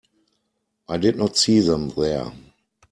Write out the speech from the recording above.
I did not see them there.